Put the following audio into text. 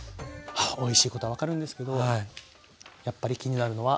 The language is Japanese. おいしいことは分かるんですけどやっぱり気になるのは。